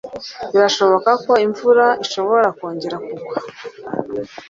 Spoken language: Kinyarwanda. Birashoboka ko imvura ishobora kongera kugwa.